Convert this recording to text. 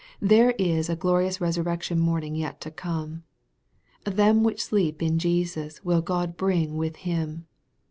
There is a glorious resurrection morning yet to come. " Them which sleep in Jesus will Grod bring with Him."